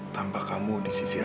tanpa kamu di sisi apa